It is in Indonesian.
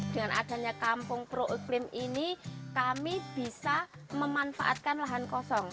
dengan adanya kampung pro iklim ini kami bisa memanfaatkan lahan kosong